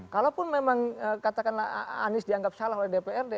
kalaupun memang katakanlah anies dianggap salah oleh dprd